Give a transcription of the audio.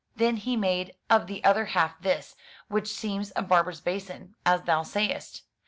Then he made of the other half this, which seems a barber's basin, as thou sayest.